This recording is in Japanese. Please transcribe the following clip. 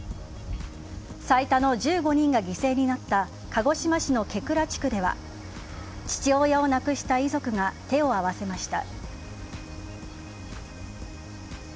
最多の１５人が犠牲になった鹿児島市の花倉地区では父親を亡くした遺族が手を合わせました。